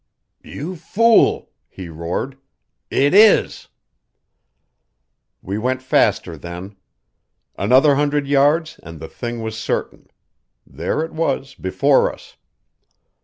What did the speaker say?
"You fool," he roared, "it is!" We went faster then. Another hundred yards, and the thing was certain; there it was before us.